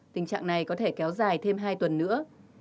tình trạng này có thể kéo dài thêm hai tuần nữa